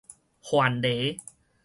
范蠡